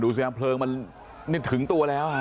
ดูเสียงเพลิงมันถึงตัวแล้วค่ะ